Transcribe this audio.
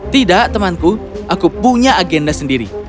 tidak temanku aku punya agenda sendiri